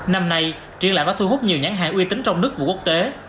năm nay triển lãm đã thu hút nhiều nhãn hàng uy tín trong nước và quốc tế